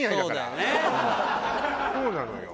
そうなのよ。